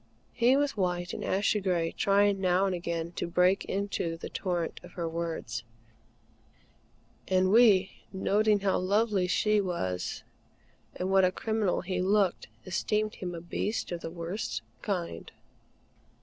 He was white and ashy gray, trying now and again to break into the torrent of her words; and we, noting how lovely she was and what a criminal he looked, esteemed him a beast of the worst kind.